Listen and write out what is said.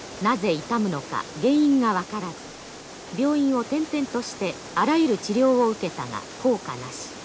なぜ痛むのか原因が分からず病院を転々としてあらゆる治療を受けたが効果なし。